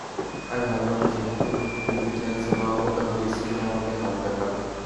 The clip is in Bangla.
আমি ভাবলাম, যেহেতু ফিফটি লেন্সে নেওয়া হবে তাহলে স্ক্রিনে আমাকে হাফ দেখাবে।